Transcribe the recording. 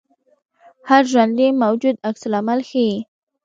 هر ژوندی موجود عکس العمل ښيي